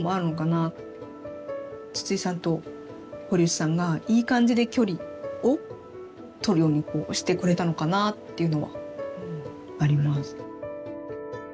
筒井さんと堀内さんがいい感じで距離を取るようにこうしてくれたのかなっていうのはあります。